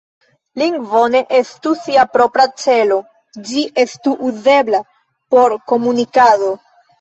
Lingvo ne estu sia propra celo, ĝi estu uzebla por komunikado.